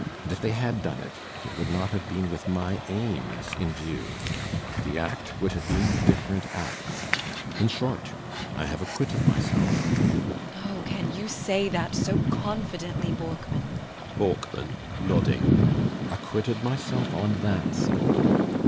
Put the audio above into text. And if they had done it, it would not have been with my aims in view. The act would have been a different act. In short, I have acquitted myself. ELLA RENTHEIM. [Softly and appealingly.] Oh, can you say that so confidently, Borkman? BORKMAN. [Nodding.] Acquitted myself on that score.